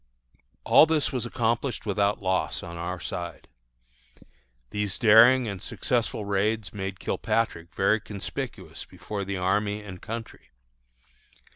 All this was accomplished without loss on our side. These daring and successful raids made Kilpatrick very conspicuous before the army and country.